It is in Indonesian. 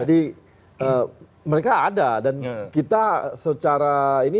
jadi mereka ada dan kita secara ini